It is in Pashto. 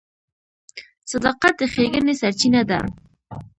• صداقت د ښېګڼې سرچینه ده.